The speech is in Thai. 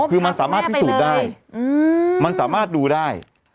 คือมันสามารถพิสูจน์ได้มันสามารถดูได้